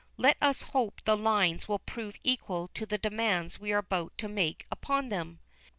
Let us hope the lines will prove equal to the demands we are about to make upon them."